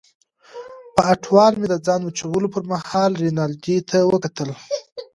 په اټوال مې د ځان وچولو پرمهال رینالډي ته وکتل.